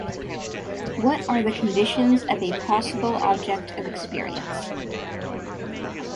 What are the conditions of a possible object of experience?